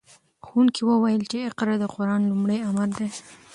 ښوونکي وویل چې اقرأ د قرآن لومړی امر دی.